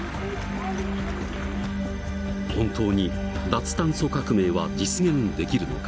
本当に脱炭素革命は実現できるのか？